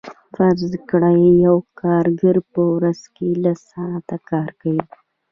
فرض کړئ یو کارګر په ورځ کې لس ساعته کار کوي